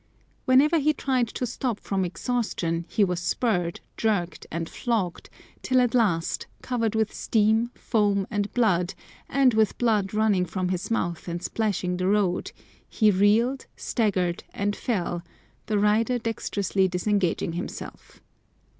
Whenever he tried to stop from exhaustion he was spurred, jerked, and flogged, till at last, covered with sweat, foam, and blood, and with blood running from his mouth and splashing the road, he reeled, staggered, and fell, the rider dexterously disengaging himself.